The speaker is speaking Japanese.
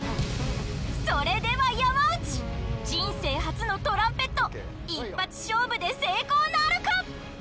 それでは山内人生初のトランペット一発勝負で成功なるか？